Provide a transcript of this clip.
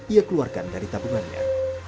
ia keluarkan dari tabungannya